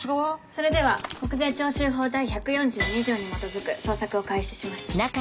それでは国税徴収法第１４２条に基づく捜索を開始します。